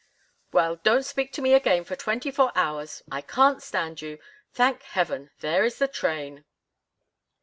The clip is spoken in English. "Well, don't speak to me again for twenty four hours. I can't stand you. Thank Heaven, there is the train!"